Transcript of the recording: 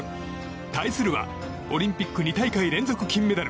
対するはオリンピック２大会連続金メダル